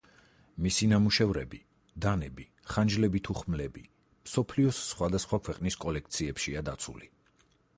მისი ნამუშევრები, დანები, ხანჯლები თუ ხმლები მსოფლიოს სხვადასხვა ქვეყნის კოლექციებშია დაცული.